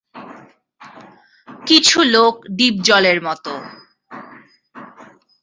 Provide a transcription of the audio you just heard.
কিছু লোক ডিপজলের মতো।